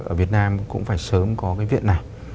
ở việt nam cũng phải sớm có cái viện này